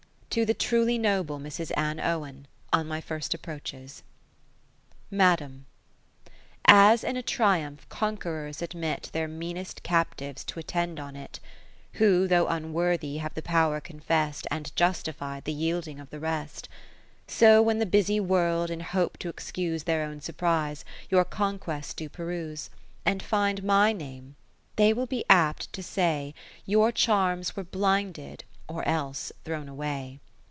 To the truly Noble Mrs. Anne Owen, on my first Approaches Madam, As in a triumph conquerors admit Their meanest captives to attend on it, Who, though unworthy, have the power confest. And justifi'd the yielding of the rest : So when the busy World (in hope t' excuse Their own surprise) your Conquests do peruse, To the truly Noble Mf^s. Aitiie Owe7i And find my name, they will be apt to say, Your charms were blinded, or else thrown away.